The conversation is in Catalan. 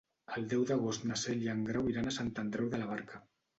El deu d'agost na Cel i en Grau iran a Sant Andreu de la Barca.